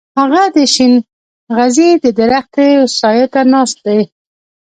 هغه د شينغزي د درختې و سايه ته ناست دی.